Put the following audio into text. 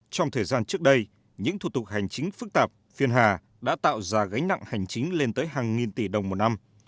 trong thời gian trước đây những thủ tục hành chính phức tạp phiên hà đã tạo ra gánh nặng hành chính lên tới hàng nghìn tỷ đồng một năm